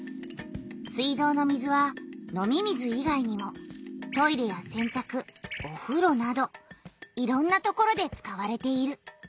水道の水は飲み水いがいにもトイレやせんたくおふろなどいろんなところで使われている。